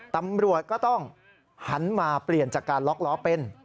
ตำรวจก็ต้องหันมาเปลี่ยนจากการล็อกล้อเป็น